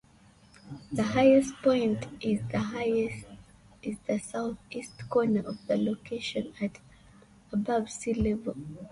The highest point is the southeast corner of the location, at above sea level.